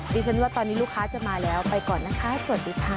ดิฉันว่าตอนนี้ลูกค้าจะมาแล้วไปก่อนนะคะสวัสดีค่ะ